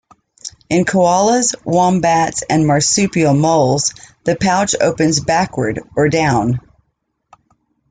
In koalas, wombats and marsupial moles, the pouch opens backward or down.